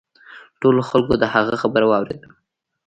ټولو خلکو د هغه خبره واوریده.